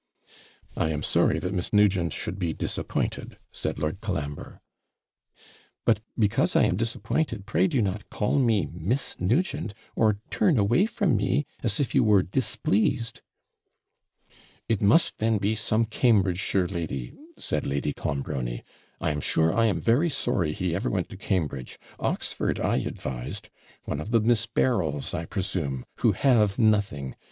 'I am sorry that Miss Nugent should be disappointed,' said Lord Colambre. 'But because I am disappointed, pray do not call me Miss Nugent, or turn away from me, as if you were displeased.' 'It must, then, be some Cambridgeshire lady,' said Lady Clonbrony. 'I am sure I am very sorry he ever went to Cambridge, Oxford I advised: one of the Miss Berryls, I presume, who have nothing.